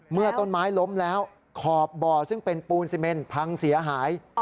เมื่อต้นไม้ล้มแล้วขอบบ่อซึ่งเป็นปูนซีเมนพังเสียหาย